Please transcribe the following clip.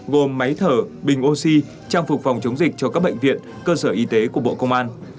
gồm máy thở bình oxy trang phục phòng chống dịch cho các bệnh viện cơ sở y tế của bộ công an